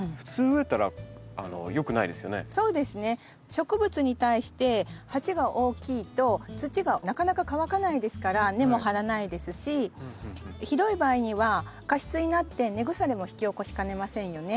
植物に対して鉢が大きいと土がなかなか乾かないですから根も張らないですしひどい場合には過湿になって根腐れも引き起こしかねませんよね。